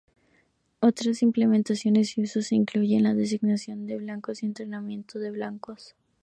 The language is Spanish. Otras implementaciones y usos incluyen la designación de blancos y entrenamiento de blancos.